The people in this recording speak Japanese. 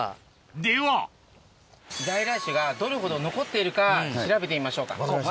では在来種がどれほど残っているか調べてみましょうか。